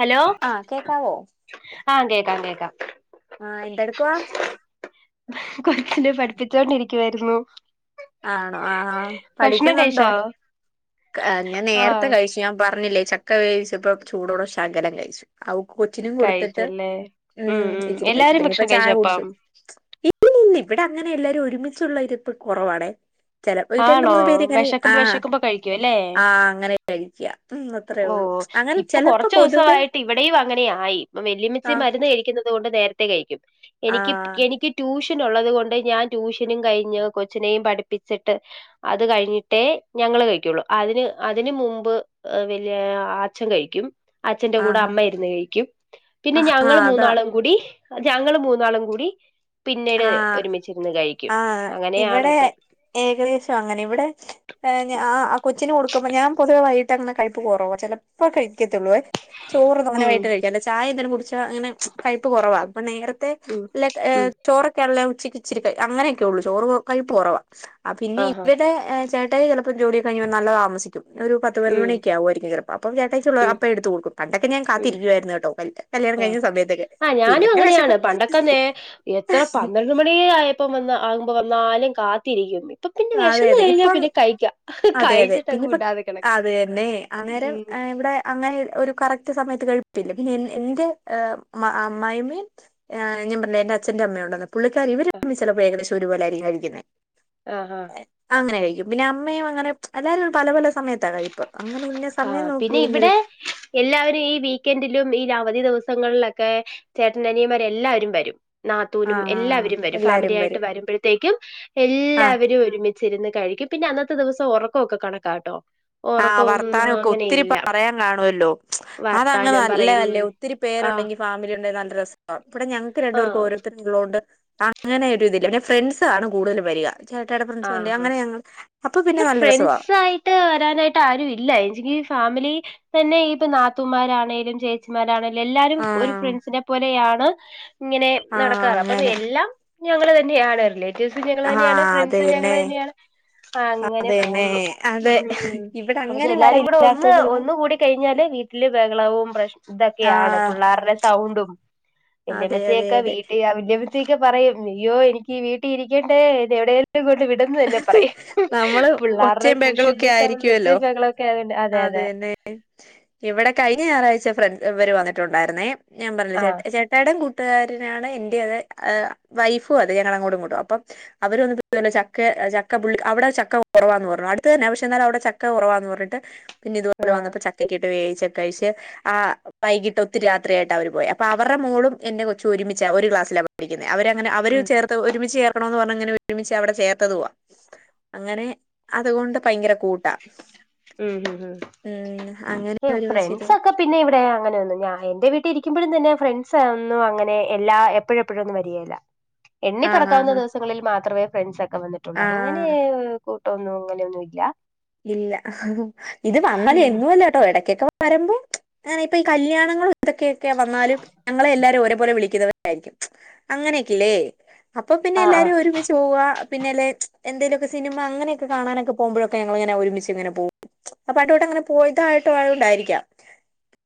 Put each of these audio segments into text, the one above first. Hello? ആഹ് കേക്കാവോ ആഹ് കേക്കാം കേക്കാം ആഹ് എന്തെടുക്കവാ? കൊച്ചിനെ പഠിപ്പിച്ചോണ്ടിരിക്കുവായിരുന്നു. ആണോ? ആഹ് അഹ് ഭക്ഷണം പഠിക്കുന്നുണ്ടോ? കഴിച്ചോ ഞാൻ നേരത്തെ ആഹ് കഴിച്ചു. ഞാൻ പറഞ്ഞില്ലേ ചക്ക വേവിച്ചപ്പ ചൂടോടെ ശകലം കഴിച്ചു. അവ കൊച്ചിനും കൊടുത്തിട്ട് കഴിച്ചല്ലേ ഉം ഇച്ചിരി കഴിച്ചു എല്ലാരും പിന്നെ ഇപ്പ ഭക്ഷണം ചായ കഴിച്ചോ കുടിച്ചു അപ്പം ഇപ്പ നിന്ന് ഇവിടെ അങ്ങനെ എല്ലാരും ഒരുമിച്ചുള്ള ഇരിപ്പ് കൊറവാണെയ് ചെലപ്പോ രണ്ട് ആണോ മൂന്ന് പേര്ങ്ങനെ വെശക്കുമ്പോ ആഹ് വെശക്കുമ്പോ കഴിക്കും അല്ലേ ആഹ് അങ്ങനെ കഴിക്കാ ഓ ഇപ്പൊ കൊറച്ച് പൊതുവേ ദിവസമായിട്ട് ഇവിടെയും അങ്ങനായി ഇപ്പൊ വെല്ല്യമ്മച്ച് ആഹ് മരുന്ന് കഴിക്കുന്ന തോണ്ട് നേരത്തെ കഴിക്കും എനിക്ക് ആഹ് എനിക്ക് ട്യൂഷൻ ഉള്ളത് കൊണ്ട് ഞാൻ ട്യൂഷനും കഴിഞ്ഞ് കൊച്ചിനെയും പഠിപ്പിച്ചിട്ട് അത് കഴിഞ്ഞിട്ടേ ഞങ്ങള് കഴിക്കൊള്ളു അതിന് അതിന് മുമ്പ് വലിയ ആച്ചൻ കഴിക്കും അച്ഛന്റെ കൂടെ ആഹ് അമ്മ ഇരുന്ന് കഴിക്കും പിന്നെ ആഹ് ഞങ്ങൾ അതാ മൂന്നാളും കൂടി ഞങ്ങള് മൂന്നാളും കൂടി പിന്നീട് ആഹ് ഒരുമിച്ചിരുന്ന് കഴിക്കും ആഹ് അങ്ങനെയാണ് ഇവിടെ ഇപ്പം ഏകദേശം അങ്ങനെ ഇവിടെ ഹേ ആ കൊച്ചിന് കൊടുക്കുമ്പോ ഞാൻ പൊതുവെ വൈകട്ട് അങ്ങന കഴപ്പ് കൊറവ ചെലപ്പോ കഴിക്കത്തൊള്ളുവേ ചോറ് തോനെ ഉം വട്ട കഴിക്കല്ല ചായന്തെലും കുടിച്ചാ അങ്ങനെ കൈപ്പ് കൊറവാ അപ്പ നേരത്തെ ഉം ഉം ചോറൊക്കെ ഉള്ളല്ല ഉച്ചക്ക് ഇച്ചിരിക്ക അങ്ങനെയൊക്കെ ഉള്ളൂ ചോറ് കൈ കുറവ പിന്നെ ആഹാ ഇവിടെ ചേട്ട ട്ടായി ചെലപ്പോ ജോലിയൊക്കെ കഴിഞ്ഞ് നല്ലൊ താമസിക്കും ഒരു പത്തേ പതിനൊന്ന് ഉം മണിയായിക്കും ചെലപ്പൊ അപ്പൊ ചേട്ടായിക്ക് ഉം അപ്പൊ എടുത്ത് കൊടുക്കും പണ്ടൊക്കെ ഞാൻ ഉം കാത്തിരിക്കുവായിരുന്നു ട്ടോ കല്യാണം ആ കഴിഞ്ഞ സമയത്തൊക്കെ ആഹ് പിന്നെ ഞാനും പിന്നെ വിശക്ക അങ്ങനെയാണ് പണ്ടൊക്കെ നേ എത്ര പന്ത്രണ്ട് മണി ആയപ്പം വന്ന് ആകുമ്പോ വന്നാലും കാത്തിരിക്കും ഇപ്പൊ പിന്നെ അതെ വിശന്ന് അതെ കഴിഞ്ഞാ ഇപ്പം പിന്നെ കഴിക്കാം അതെ അതെ കഴിച്ചിട്ടങ്ങ് പിന്നെപ്പ വിടാതെ കിടക്കും അത തന്നെ അന്നേരം ഉം ഇവിടെ അങ്ങനെ ഒരു കറക്റ്റ് സമയത്ത് കഴിപ്പില്ല പിന്നെ എന്റെ അമ്മായിമ്മിം ആഹ് ഞാൻ പറഞ്ഞില്ലേ എന്റെ അച്ഛന്റെ അമ്മയണ്ടന്ന് പുള്ളിക്കാരി ഇവര് ചെലപ്പോ ഏകദേശം ഒരു പോലൊയിരിക്കും കഴിക്കുന്നെ അഹ് അഹ് അങ്ങനെ കഴിക്കും പിന്നെ അമ്മയും അങ്ങനെ എല്ലാരും പല പല സമയത്താ കഴിപ്പ് അങ്ങനെ സമയം ആഹ് പിന്നെ നോക്കിയിരുന്നൊരു ഇവിടെ എല്ലാവരും ഈ വീക്കെൻഡിലും ഈ അവധി ദിവസങ്ങളിലൊക്കെ ചേട്ടന അനിയമാരെ എല്ലാവരും വരും നാത്തൂനും ആഹ് എല്ലാവരും വരും ഫാമിലി എല്ലാരും ആായിട്ട് വരും വരുമ്പോഴത്തേക്കും ആഹ് എല്ലാവരും ഒരുമി ചിരുന്ന് കഴിക്കും പിന്നെ അന്നത്തെ ദിവസം ഒറക്കൊക്കെ കണക്കാട്ടോ ഒറക്കവും അതൊക്കെ ഒത്തിരി പറയാൻ കാണുവല്ലോ അഹ് വർത്താനം പറയും അങ്ങനല്ലതല്ലേ ഒത്തിരി ആഹ് പേരുണ്ടെങ്കിൽ ഫാമിലി ഉണ്ടെങ്കിൽ നല്ല രസ ഇപ്ടെ ഞങ്ങക്ക് രണ്ടുപർക്കും ആഹ് ഓരോത്തർ ണ്ട് അങ്ങനൊര് ഇതല പിന്നെ ഫ്രണ്ട്സ് ആണ് കൂടുതൽ വരിക ചേട്ടേയുടെ ഫ്രണ്ട്സ് വ അങ്ങനെ ഞങ്ങൾ അപ്പൊ പിന്നെ ഇമ്മടെ നല്ല രസവാ ഫ്രണ്ട്സയി ട്ട് വരാനായിട്ട് ആരും ഇല്ല എങ്കിലി ഈ ഫാമിലി തന്നെ ഇനിയിപ്പം നാത്തുൻമാരാണെലും ചേ ച്ചിമാരാണെ എല്ലാരും ഒരു ആഹ് ഫ്രണ്ട്സിനെ പോലെയാണ് ഇങ്ങനെ ആഹ് നടക്കാറ് അപ്പൊ അങ്ങനെ എല്ലാം ഞങ്ങള് തന്നെയാണ് റിലേറ്റീവ്സും ഞങ്ങൾ ആഹ് തന്നെയാണ് ഫ്രണ്ട്സും ഞങ്ങൾ അതന്നെ തന്നെയാണ് അങ്ങനെ അതന്നെ പോകുന്നു അതെ ഉം ഇവിടെ പക്ഷെ അങ്ങനെ വര എല്ലാരും കൂടെ ഒന്ന് ഇല്ലാത്തത് ഒന്നുകൂടി കഴിഞ്ഞാല് വീട്ടിൽ ബഹളവും പ്രശ്ണവു ഇതൊക്കെയാണ് ആഹ് പിള്ളേരുടെ സൗണ്ടും അതെ അതെ വെല്ലിയമ്മച്ചിയൊക്കെ അതെ വീട്ടിൽ അവല് ഒക്കെ പറയും അയ്യോ എനിക്ക് വീട്ടിൽ ഇരിക്കേണ്ടേ എവിടെലും കൊണ്ട് വിടന്ന് തന്നെ പറയും നമ്മള് പിള്ളേരുടെ ഒച്ചയും കുശുബ് ബഹളൊക്കെ [unintelligible] വെച്ച് ആയിരിക്കുവല്ലോ ഞങ്ങളൊക്കെ അതന്നെ ഇവിടെ കഴിഞ്ഞ ഞായറാഴ്ച ഫ്രണ്ട് ഇവര് വന്നിട്ടുണ്ടായിരുന്നേ ഞാൻ പറഞ്ഞില്ല ചേട്ട ആഹ് ൻ ചേട്ട ചേട്ടൻ കൂട്ടുകാരനാണ് എൻ്റെ അത് വൈഫും അത് ഞങ്ങള അങ്ങോട്ടും ഇങ്ങോട്ടും അപ്പം അവരൊന്നി ചക്ക ചക്കുപള്ളി അവിടെ ചക്ക കുറവാന്ന് പറഞ്ഞു അടുത്ത തന്നെ പക്ഷേ എന്നാലും അവിടെ ചക്ക കുറവാന്ന് പറഞ്ഞിട്ട് പിന്നെ ഇതുപോലെ ആഹ് വന്നപ്പോ ചക്ക ഒക്കെ ഇട്ട് വേവിച്ച് കഴിച്ച് ആ വൈകിട്ട് ഒത്തിരി രാത്രിയായിട്ട് അവര് പോയി അപ്പൊ അവരുടെ മോളും എന്റെ കൊച്ചും ഒരുമിച്ച ഒരു ക്ലാസിൽ അവരങ്ങനെ അവര് ഉം ചേർത്ത് ഒരുമിച്ച് ചേർക്കണന്ന് പറഞ്ഞങ്ങനെ ഒരുമിച്ച് അവടെ ചേർത്തതുവാ അങ്ങനെ അതുകൊണ്ട് ഭയങ്കര കൂട്ടാ ഉം ഉം ഉം അങ്ങനെ ഉം ഒരുമിച്ചിരു ഫ്രണ്ട്സ് ഒക്കെ പിന്നെ ഇവിടെ അങ്ങനെന്നും ഞാൻ എൻ്റെ വീട്ടിലിരിക്കുമ്പോഴും തന്നെ ഫ്രണ്ട്സ് ഒന്നും അങ്ങനെ എല്ലാ എപ്പോഴെപ്പോഴൊന്നും വരികയില്ല എണ്ണി ആഹ് പെറുക്കാവുന്ന ആഹ് ദിവസങ്ങളിൽ മാത്രമേ ഫ്രണ്ട്സ ഒക്കെ വന്നിട്ടുള്ളൂ അങ്ങനെ ആഹ് കൂട്ടന്നും അങ്ങനെന്നും ഇല്ല ഇല്ല ഇത് വന്നാലേ എന്നുമില്ല ട്ടോ ഇടക്കൊക്കെ വരുമ്പോ അങ്ങനെ ഇപ്പ ഈ കല്യാണങ്ങളും അതൊക്കെയൊക്കെ വന്നാലും ഞങ്ങളെ എല്ലാരും ഒരേപോലെ വിളിക്കുന്നവരായിരിക്കും അങ്ങനെയൊക്കല്ലേ അപ്പൊ പിന്നെ ആഹ് ആഹ് എല്ലാരും ഒരുമിച്ച് പോവാ പിനെല്ലേ എന്തേലുക്കെ സിനിമ അങ്ങനൊക്കെ കാണാനൊക്കെ പോകുമ്പോഴ ഞങ്ങളിങ്ങനെ ഒരുമിച്ച് ഇങ്ങനെ പോവും അപ്പൊ അട്ടോട്ട്ങ്ങനെ പോയതായിട്ട് ആഴ ഉണ്ടായിരിക്കാം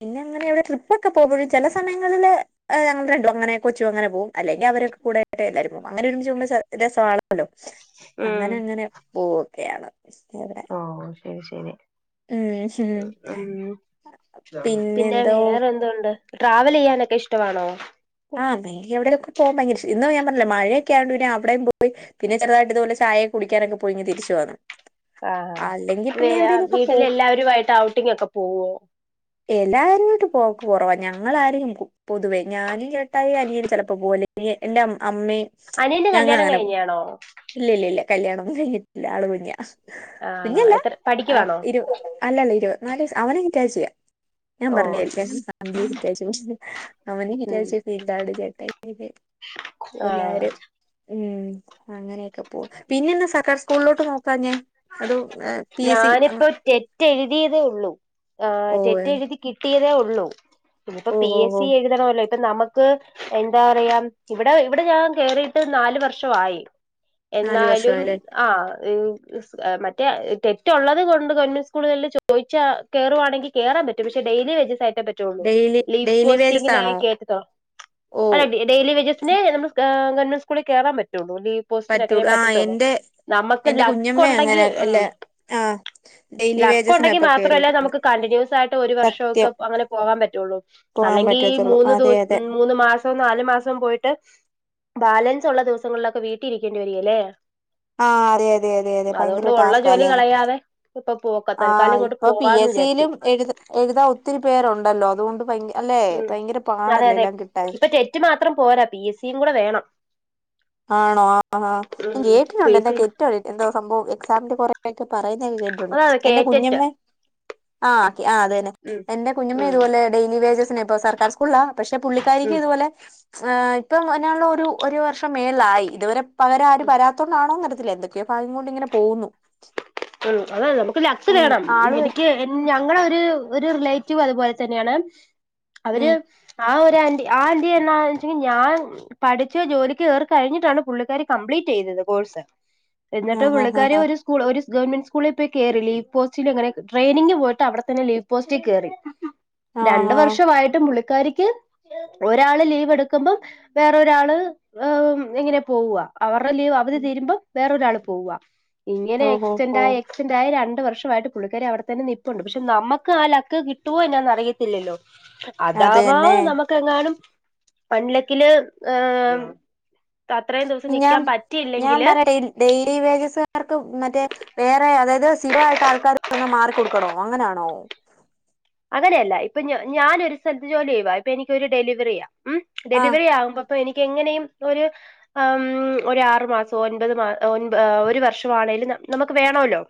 പിന്നെ അങ്ങനെ ഇവിടെ ട്രിപ്പ് ഒക്കെ പോകും ചില സമയങ്ങളില് അഹ് ഞങ്ങൾ രണ്ടും അങ്ങനെ കൊച്ചും അങ്ങനെ പോവും അല്ലെങ്കി അവരൊക്കകൂടെ എ എല്ലാരും പോവും. അങ്ങനെ ഒരുമിച്ച് ചുമ്മാ രസമാണല്ലോ ഉം അങ്ങനെ അങ്ങനെ പോവൊക്കെയാണ്. ഓ ശരി ശരി. ഉം ഹും ഉം പിന്നെ പിന്നെന്തോ വേറെ എന്തുണ്ട്. ട്രാവലെയ്യാനൊക്കെ ഇഷ്ടമാണോ? ആഹ് [unintelligible] എവിടെലൊക്കെ പോവാൻ ഭയങ്കര ഇഷ്ടാ ഇന്ന് ഞാൻ പറഞ്ഞില്ലേ മഴയൊക്കെ ആയത് കൊണ്ട് അവിടെയും പോയി പിന്നെ ചെറുതായിട്ട് ഇതുപോലെ ചായ ഒക്കെ കുടിക്കാനൊക്കെ പോയി തിരിച്ചുവന്നു. അഹ് ആഹ് വേ വീട്ടില് പോവും എല്ലാവരുവായിട്ട് ഔട്ടിങ് ഒക്കെ പോവോ എല്ലാരും ആയിട്ട് പോക്ക് കൊറവാ ഞങ്ങളാരും പൊതുവേ ഞാനും ചേ ചേട്ടായി അനിയന് ചിലപ്പോ പോ വല് എന്റെ അമ്മയും അനിയന്റെ കല്യാണം കഴിഞ്ഞാണോ ഇല്യ ഇല്യ ഇല്യ കല്യാണ ഒന്നും കഴിഞ്ഞിട്ടില്ല ആള് കുഞ്ഞ ആണോ കുഞ്ഞല്ല എത്ര ആ പഠിക്കുവാണോ ഇരു അല്ലല്ല ഇരുപത്തിനാല് വയസ് അവന് [unintelligible] ഞാൻ ഓ പറഞ്ഞ് ഉം [inaudible] [inaudible] [unintelligible] ചേട്ട [inaudible] ആഹ് എല്ലാരും. ഉം അങ്ങനെയൊക്കെ പോകുന്നു പിന്നെ എന്താ സർക്കാർ സ്കൂളിലോട്ട് നോക്കാണെ അതോ ഞാനിപ്പം തെ തെറ്റെഴുതിയതേ ഒള്ളൂ ആഹ് ഓ തെറ്റെഴുതി കിട്ടിയതേ ഒള്ളൂ ഇനയിപ്പോ ഓ പി ഓ എസ് ഓ സി എഴു [unintelligible] നമുക്ക് എന്താ പറയാ ഇവിടെ ഇവിടെ ഞാൻ കേറിയിട്ട് നാലു വർഷമായി. നാല് എന്നാലും വർഷായല്ലേ ആഹ് ഹ് ഹ്സ് മറ്റേ തെറ്റുള്ളള്ളത് കൊണ്ട് ഗവൺമെന്റ് സ്കൂളുകളിൽ ചോദിച്ചാ കേറുവാ ണെങ്കിൽ കേറാൻ പറ്റും പക്ഷെ ഡെയിലി വെജസ് ആയിട്ടേ പറ്റു റ്റൊള്ളൂ ഡെയിലി ലീവ് ഡെയിലി വേജസ് ആണോ പോസ്റ്റിങ്ങിലായ് കേട്ടതൊ ഓ അ ഡെയിലി വേജസിണ് നമു ഗവൺെന്റ്കൂളിൽ കേറാൻ പറ്റൊള്ളൂ. പോസ്റ്റിനക്കയെ പറ്റുള്ളൂ ആ പറ്റത്തുള്ളൂ എന്റെ നമുക്ക് ലക്ക് ഉണ്ടെങ്കിൽ ഉം. ആഹ്. ലക്ക് ഉണ്ടെങ്കി മാത്രമല്ല നമുക്ക് കണ്ടിന്യൂസ് ആയിട്ട് ഒരു വർഷമൊക്കെ സത്യം അങ്ങനെ പോകാൻ പറ്റുള്ളൂ. പോകാൻ അല്ലെങ്കീ പറ്റത്തുള്ളൂ മൂന്നു അതെ അതെ ദിവസും. മൂന്ന് മാസവും നാല് മാസവും പോയിട്ട് ബാലൻസ് ഉള്ള ദിവസങ്ങളിലൊക്കെ വീട്ടിൽ ഇരിക്കേണ്ടി വരികേല്ലേ. ആഹ് അതെ അതെ അതെ അതെ അതുകൊണ്ട് ഭയങ്കര ഉള്ള ടാസ്കാ. ജോലി നിക്കലാണ് കളയാതെ ഇപ്പൊ പോക്ക തൽക്കാലം ആഹ് ഇങ്ങോട്ട് ഇപ്പൊ പി പോവാന്ന് എസ് സി വിചാരിച്ചു ലും എഴുതി. എഴുതാ ഒത്തിരി പേരുണ്ടല്ലോ അതുകൊണ്ട് ഭയ അല്ലെ ഭയങ്കര പാടല്ലേ എല്ലാം കിട്ടാൻ. റ്റ് മാത്രം പോരാ പി എസ് സിംകൂടെ വേണം. ആണോ ആഹാ പി കേട്ടിട്ടുണ്ട് എസ് സി എന്താെറ്റവും എന്താ സംഭവം എക്സാമിന്റെ കൊറെക്കെ പറയുന്നത് കേട്ട ട്ടോണ്ട് അതാണ് എന്റെ കേറ്ററ്റ് കുഞ്ഞമ്മേ ആഹ് ആഹ് അതെന്നെ. ഉം എന്റെ കുഞ്ഞമ്മേ ഉം ഇതുപോലെ ഡെയിലി വേജസിനെ ഇപ്പ സർക്കാർ സ്കൂളില പക്ഷെ പുള്ളിക്കാരിക്കും ഉം ഇതുപോലെ ഇപ്പം അതിനുള്ളൊരു ഒരു വർഷംമേൾളായി ഇതുവരെ പകരം ആരും വരാത്തോണ്ടാണോ ന്നരിയത്തില്ല വരാത്തോണ്ടാണോന്നറിയത്തില്ല എന്തൊ. ക്കെ പ്പ അഹ് കൊണ്ടിങ്ങനെ പോകുന്നു. ഉം അതാണ് നമുക്ക് ലക് ഉം വേണം ആള് വരും. എനിക്ക്. ഉം ഞങ്ങള ഒരു ഒരു റിലേറ്റീവ് അതുപോലെ തന്നെയാണ് അവര് ഉം ആ ഒരു ആൻറി ആഹ് ആന്റി എന്നാണ്വേച്ച് ഞാൻ. പഠിച്ചു ജോലിക്ക് കേറി കഴിഞ്ഞിട്ടാണ് പുള്ളിക്കാരി കംപ്ലീറ്റ് ചെയ്തത് കോഴ്സ്. എന്നിട്ട് ആഹ് ആഹ് പുള്ളിക്കാരി ആഹ് ഒരു സ്കൂൾ ഒരുസ് ഗവൺമെന്റ് സ്കൂളി പോയി കേറി ലീവ് പോസ്റ്റിൽ എങ്ങനെ ട്രെയിനിങ് പോയിട്ട് അവിടെന്ന ലീവ് പോസ്റ്റിൽ കേറി. ആഹ് രണ്ടു ആഹ് വർഷവായിട്ടും പുള്ളിക്കാരിക്ക് ഒരാള് ലീവ് എടുക്കുമ്പം. വേറൊരാള് ഇങ്ങനെ പോവുക അവറു ടേ ലീവ്. അവധി തരുമ്പ വേറൊരാൾ പോവുക ഇങ്ങനെ ഓഹ് ഓഹ് എക്സ്റ്റന്റായി ഓഹ് സ്‌റ്റെന്റ്യ രണ്ട് വർഷമായിട്ട് പുള്ളിക്കാർ അവിടെത്തന്നെ നിപ്പുണ്ട് പക്ഷെ നമ്മക്ക് ആ ലക്ക് കിട്ടോ എന്നാന്ന് അറിയത്തില്ലോ. അത് അതാവാ തന്നെ നമുക്കെങ്ങാനും പണ്ടിലക്കില് ഏഹ് അത്രയും ദിവസം ഞാൻ നിക്കാൻ ഞാൻ പറ്റിയില്ലെങ്കില് പറയട്ടെ ഡെയിലി വേജസുകാർക്ക് മറ്റേ വേറെ അതായത് സ്ഥിരമായിട്ട് ആൾക്കാർ വന്ന് മാറി കൊടുക്കണോ അങ്ങനെയാണോ അങ്ങനെയല്ല ഇപ്പൊ ഞാനൊരു സ്ഥലത്ത് ജോലി ചെയ്യവാ ഇപ്പൊ എനിക്കൊരു ഡെലിവെറിയാ മം ആഹ് ഡെലിവറി ആവുമ്പോ അപ്പൊ എനിക്ക് എങ്ങനെയും ഒരു ആം ഒരു ആറു മാസൊ ഒൻപത് മാ ഒ ഒരു വർഷമാണെലും നമുക്ക് വേണല്ലോ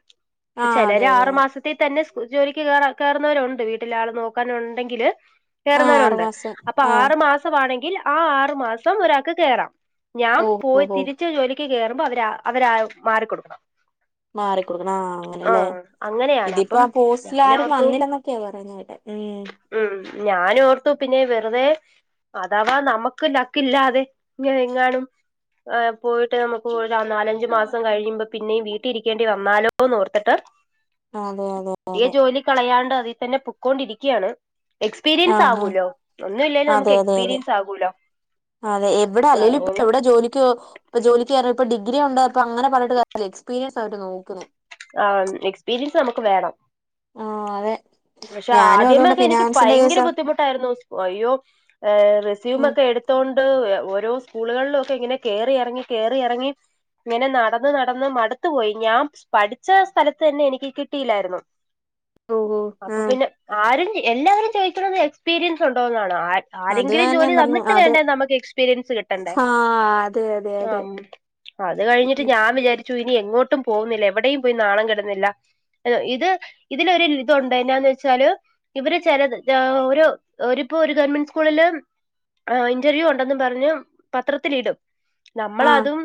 ആഹ് ചിലര് അതെ അതെ ആറു മാസത്തി തന്നെ ജോലിക്ക് കയറുന്നവരുണ്ട് വീട്ടില ആൾ നോക്കാനുണ്ടെങ്കിൽ ആഹ് ആറു കയറുന്നാനുണ്ട് മാസം അപ്പൊ ആഹ് ആറ് മാസംമാണെങ്കിൽ ആഹ് ആറു മാസം ഒരാൾക്ക് കേറാം ഞാൻ ഓഹ് പോയി ഓഹോ തിരിച് ജോലി ക്ക് കേയറുമ്പോ അവരാ അവര് മാറികൊടുക്കണം മാറിക്കൊടുക്കണം ആ അങ്ങനെയല്ലേ അങ്ങനെയാണ് ഇതിപ്പോ അപ്പം അ പോസ്റ്റില ആരും ഞാനോർത്തു വന്നില്ല ക്ക പറയ്ന്ന കേട്ടെ മം ഉം ഞാനോഓർത്തു പിന്നെ വെറുതെ അതാവാ നമുക്ക് ലക്ക് ഇല്ലാതെ ഇനി എങ്ങാനും ആഹ് പോയിട്ട് നമുക്ക് നാലഞ്ചു മാസം കഴിയുമ്പോ പിന്നെയും വീട്ടില് ഇരിക്കേണ്ടി വന്നാലോന്ന് ഓർത്തിട്ട് അതെ അതെ കിട്ടിയ അതെ ജോലി കളയാണ്ട് അതിൽ തന്നെ പൊക്കൊണ്ടിരിക്കയാണ് എക്സ്പീരിയൻസ് ആഹ് ആഹ് ആകൂല്ലോ ഒന്നും ഇല്ലേലും അതെ നമുക്ക് അതെ അതെ എക്സ്പീരിയൻസ് ആകുല്ലോ അതെ എവിടെ അല്ലേലും ഇപ്പ എവിടെ ജോലിക്ക് ഇപ്പ ജോലിക്ക്യറ ഇപ്പ ഡിഗ്രി ഉണ്ട് അങ്ങെനെ പറഞ്ഞട്ട് കാര് [unintelligible] എക്പീരിയൻസ് അവര് നോക്കുന്നേ ആഹ് എക്സ്പീരിയൻസ് നമുക്ക് വേണം ആഹ് അതെ പക്ഷെ ഞാനും അതുകൊണ്ട് ആദ്യമൊക്കെ എനിക്ക് ഫിനാൻസിന്റെ ഭയങ്കര കേസാ ബുദ്ധിമുട്ടായിരുന്നു അയ്യോ ഏഹ് ഉം റിസ്യൂമ ഒക്കെ എടുത്തോണ്ട് ഓരോ സ്കൂളുകളിലും ഒക്കെ ഇങ്ങനെ കേറി ഇറങ്ങി കേറി ഇറങ്ങി ഇങ്ങനെ നടന്ന് നടന്ന് മടുത്തു പോയി ഞാൻ പഠിച്ച സ്ഥലത്ത് തന്നെ എനിക്ക് കിട്ടിയില്ലായിരുന്നു ഓഹ് ഓഹ് അപ്പ പിന്നെ ആരും എല്ലാവരും ചോദിക്കണന്ന് എക്സ്പീരിയൻസ് ഉണ്ടോന്നാണ് ആര് അത് ആരെങ്കിലും ഞാൻ ഞാൻ ജോലി പറഞ്ഞു തന്നിട്ട് അത് വേണ്ടന്ന് നമുക്ക് എക്സ്പീരിയൻസ് കിട്ടണ്ടേ ആ അതെ അതെ അതെ ആഹ് അത് കഴിഞ്ഞിട്ട് ഞാൻ വിചാരിച്ചു ഇനി എങ്ങോട്ടും പോകുന്നില്ല എവിടെയും പോയി നാണംകിടുന്നില്ല ഇത് ഇതിലൊരു ഇതുണ്ട് എന്താന്ന് വെച്ചാല് ഇവര് ചിലത് ഒരുരിപ്പോ ഒരു ഗവൺമെന്റ് സ്കൂളില് ആഹ് ഇന്റർവ്യൂ ഉണ്ടെന്ന് പറഞ്ഞ് പത്രത്തി ഇടും ആ നമ്മളതും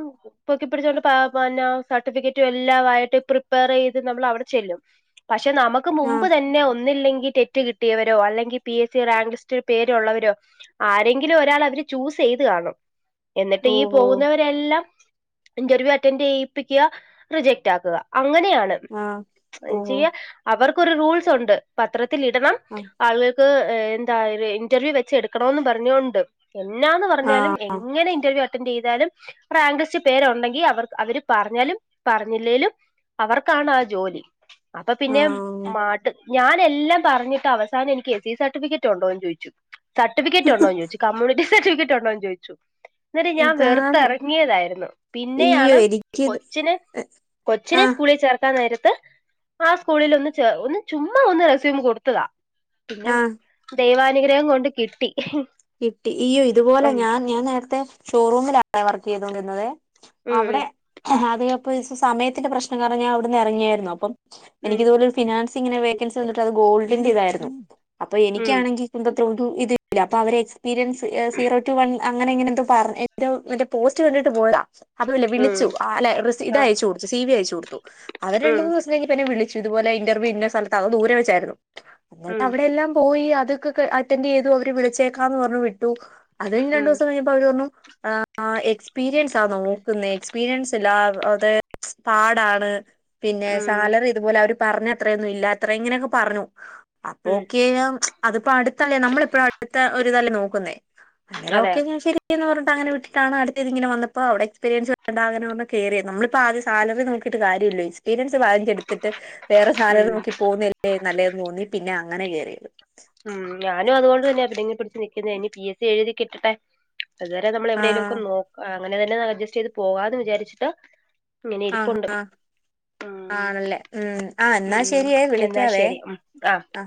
പൊക്കി പിടിച്ചോണ്ട് പിന്ന സർട്ടിഫിക്കറ്റും എല്ലാം ആയിട്ട് പ്രിപിയർ ചെയത് നമ്മെൾ അവിടെ ചെല്ലും പക്ഷെ നമുക്ക് ആ മുമ്പ് തന്നെ ഒന്നല്ലെങ്കി കിട്ടിയവരോ അല്ലെങ്കിൽ പി എസ് സി റാക് ലിസ്റ്റിൽ പേരുള്ളവരോ ആരെങ്കിലും ഒരാൾ അവര് ചൂസ് ചെയ്ത് കാണും എന്നിട്ട് ഈ ഓഹോ പോകുന്നവരെല്ലാം ഇന്റർവ്യൂ അറ്റൻഡ് ചെയ്യിപ്പിക്കുക റിജക്ട് ആക്കുക അങ്ങനെയാണ് ആ [unintelligible] ഓഹോ ചെയ്യ അവർക്കൊരു റൂൾസ് ഉണ്ട് പത്രത്തിൽ ഇടണം ആ ആളുകൾക്ക് എന്താ ഇന്റർവ്യൂ വെച്ച് എടുക്കണന്ന് പറഞ്ഞൊണ്ട് എന്നാന്ന് ആ പറഞ്ഞാലും എങ്ങനെ ഇന്റർവ്യൂ അറ്റന്റ് ചെയ്താലും റാങ്ക് ലിസ്റ്റ് പേരുണ്ടെങ്കിൽ അവർ അവര് പറഞ്ഞാലും പറഞ്ഞില്ലേലും അവർക്കാണ് ആ ജോലി അപ്പൊ ആ പിന്നെ മ ഞാന എല്ലാം പറഞ്ഞിട്ട് അവസാനം എനിക്ക് എസ് സി സർട്ടിഫിക്കറ്റ് ഉണ്ടോ എന്ന് ചോദിച്ചു സർട്ടിഫിക്കറ്റ് ഉണ്ടോന്ന് ചോദിച്ചു കമ്മ്യൂണിറ്റി സർട്ടിഫിക്കറ്റ് ഉണ്ടോന്ന് ചോദിച്ചു അന്നേരം ഞാൻ ഇതാണ് വെറുത്തിറങ്ങിയതായിരുന്നു അയ്യോ പിന്നെയാണ് എനിക്കിത് കൊച്ചിന് കൊച്‌നെ ആ സ്കൂളിൽ ചേർക്കാൻ നേരത്ത് ആ സ്കൂളിൽ ഒന്ന് ച ഒന്ന് ചുമ്മാ ഒന്ന് റെസ്യൂം കൊടുത്തതാ പിന്നെ ആ ദൈവാനുഗ്രഹം കൊണ്ട് കിട്ടി കിട്ടി ഇയ്യോ ഇതുപോലെ ഉം ഞാൻ ഞാൻ നേരത്തെ ഷോറൂമിലാണെ വർക്ക് ചെയ്തൊണ്ടിരുന്നതേ ഉം അവിടെ അത്പ്പോ സമയത്തിന്റെ പ്രശ്നം കാരണം ഞാൻ അവിടുന്ന് ഇറങ്ങിയായിരുന്നു അപ്പം ഉം എനിക്ക്തുപോലെ ഒരു ഫിനാൻസിങ്ങനെ വേക്കൻസി വന്നിട്ട് അത് ഗോൾഡിന്റെ ഇതായിരുന്നു അപ്പൊ ഉം എനിക്കാണെങ്കി. [unintelligible] ഇത്‌. അപ്പൊ അവര് എക്സ്പീരിയൻസ് സീറോ ടു വൺ അങ്ങനെ എങ്ങനെ എന്തോ പറഞ് മറ്റ പോസ്റ്റ് കണ്ടിട്ട് പോയതാ അതല്ല വിളിച്ചു ഉം അല്ല ഇത് ആഹ് അയച്ച കൊടുത്തു സി വി അയച്ചു കൊടുത്തു അവര് രണ്ട് ഉം മൂന്ന് ദിവസ എന്നെ വിളിച്ചു ഇതുപൊലെ ഇന്റർവ്യൂ ഇന്ന സ്ഥലത്ത് അത് ദൂരെ വെച്ചായിരുന്നു എന്നിട്ട് ഉം അവിടെ എല്ലാം പോയി അത്.. അറ്റൻഡ് ചെയ്തു അവര് വിളിച്ചേക്കാന്ന് പറഞ്ഞു വിട്ടു അത്കൈഞ് രണ്ടു ഉം ദിവസം കഴിഞാ പ്പോ.. അവര് പറഞ്ഞു ആഹ് എക്സ്പീരിയൻസാ നോക്കുന്ന എക്സ്പീരിയൻസ് അല്ലാതെ പാടാണ്. പിന്നെ ഉം സാലറി ഇതുപോലെ അവര് പറഞ്ഞ അത്രയൊന്നും ഇല്ല അത്ര ഇങ്ങനെയൊക്കെ പറഞ്ഞു അപ്പൊ ഉം ഒക്കെ അതിപ്പോ അടുത്തല്ലേ നമ്മളിപ്പഴ അടുത്ത ഒരുതല്ലെ നോക്കുന്നേ അന്നേരം അതെ ഓക്കെ ഞാൻ ശരി എന്ന് പറഞ്ഞട്ട് അങ്ങനെ വിട്ടിട്ടാണ് അടുത്തത് ഇങ്ങനെ വന്നപ്പോ അവിടെ എക്സ്പീരിൻസ് ഉണ്ട പറഞ്ഞ കെറിയിരുന്നു നമ്മളിപ്പോ ആദ്യ സാലറി നോ ന്ന്ട്ട് കാര്യല്ല്യ എക്പീരിയൻസ് ഭാരി എടുത്തിട്ട് വേറെ സാലറി ഉം നോക്കി പോകുന്നല്ലേ നല്ലതെന്ന് തോന്നി പിന്നെ അങ്ങനെ ക്കെറിയത്.. ഉം ഞാനും അതുകൊണ്ട് തന്നെ എവിടെനെ പിടിച്ച് നിക്കുന്ന ഇനി പി എസ് സി എഴുതി കിട്ടട്ടെ. അതുവരെ നമ്മൾ എവിടെേങ്കിലും ഒക്കെ ആഹ് നോക്ക അങ്ങനെ തന്നെ അഡ്ജസ്റ്റ് ചെയ്ത് പോകാ ന്ന് വിചാരി ച്ചിട്ട്. ഇങ്ങനെ ആഹ് ഇരിപ്പുണ്ട്.. ആണല്ലേ ഉം ഉം ആഹ് എന്നാ ശരിയേ വിളിക്കാവേ.. ആഹ്. ആ